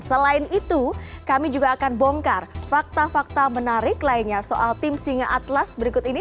selain itu kami juga akan bongkar fakta fakta menarik lainnya soal tim singa atlas berikut ini